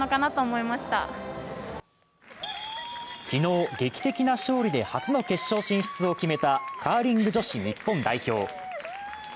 昨日、劇的な勝利で初の決勝進出を決めたカーリング女子日本代表。